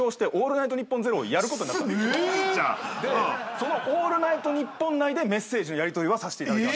その『オールナイトニッポン』内でメッセージのやりとりはさしていただきました。